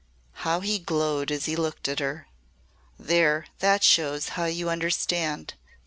How he glowed as he looked at her! "There. That shows how you understand.